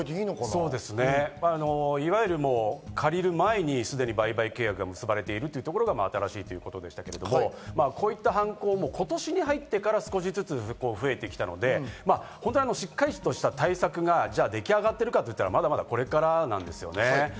そうですね、借りる前にすでに売買契約が結ばれているというところが新しいということでしたけど、こういった犯行、今年に入ってから少しずつ増えてきたので、しっかりとした対策が出来上がっているかといったら、まだまだこれからなんですよね。